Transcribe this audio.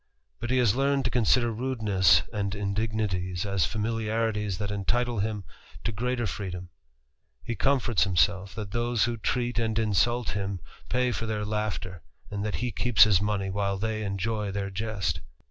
But he has learned to >nsider rudeness and indignities as familiarities that entitle ^m to greater freedom : he comforts himself, that those ho treat and insult him pay for their laughter, and that he ieps his money while they enjoy their jest.